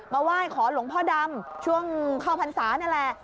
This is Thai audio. มาว่ายขอหลวงพ่อดำช่วงข้าวพันธานี่แหละ